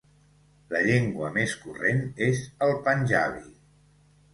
La llengua més corrent és el panjabi.